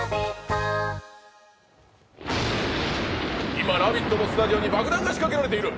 今、「ラヴィット！」のスタジオに爆弾が仕掛けられている。